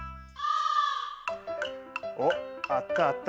おっあったあった。